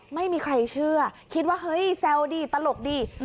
ไม่มีใครเชื่อคิดว่าเฮ้ยแซวดิตลกดิ